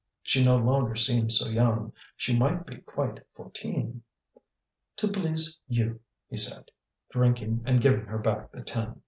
She no longer seemed so young, she might be quite fourteen. "To please you," he said, drinking and giving her back the tin.